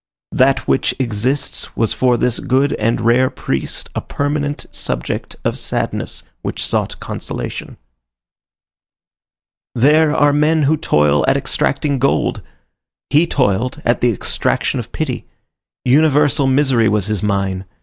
That which exists was for this good and rare priest a permanent subject of sadness which sought consolation. There are men who toil at extracting gold; he toiled at the extraction of pity. Universal misery was his mine.